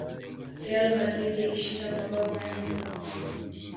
real madrid ilishinda mabao manne kwa moja